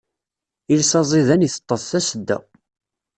Iles aẓidan iteṭṭeḍ tasedda.